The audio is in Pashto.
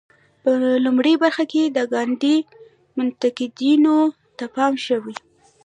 په لومړۍ برخه کې د ګاندي منتقدینو ته پام شوی.